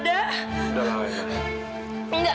udah lah alena